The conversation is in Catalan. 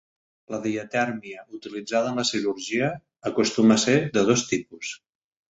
La diatèrmia utilitzada en la cirurgia acostuma ser de dos tipus.